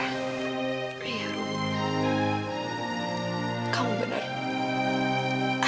ria ruh kamu benar